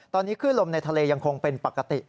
ตอนนี้ขึ้นลมในทะเลยังคงเป็นปกติ